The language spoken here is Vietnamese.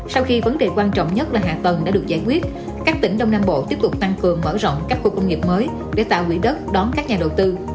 sau khi vấn đề quan trọng nhất là hạ tầng đã được giải quyết các tỉnh đông nam bộ tiếp tục tăng cường mở rộng các khu công nghiệp mới để tạo quỹ đất đón các nhà đầu tư